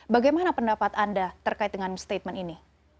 bagaimana pendapat anda terkait dengan statement ini